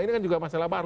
ini kan juga masalah baru